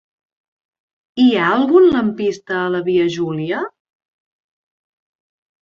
Hi ha algun lampista a la via Júlia?